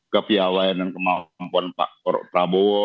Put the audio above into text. kepiawayan dan kemampuan pak prabowo